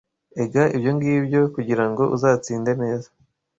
ega ibyongibyo kugirango uzatsinde neza